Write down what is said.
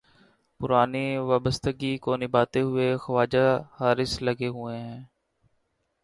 پرانی وابستگی کو نبھاتے ہوئے خواجہ حارث لگے ہوئے ہیں۔